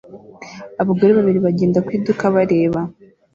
Abagore babiri bagenda ku iduka bareba